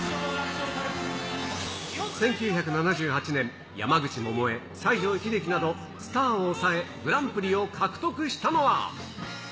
１９７８年、山口百恵、西城秀樹など、スターを抑え、グランプリを獲得したのは。